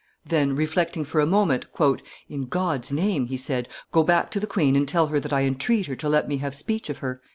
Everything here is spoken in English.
Then, reflecting for a moment, "In God's name," he said, "go back to the queen and tell her that I entreat her to let me have speech of her!"